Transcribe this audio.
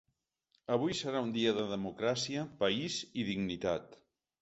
Avui serà un dia de democràcia, país i dignitat.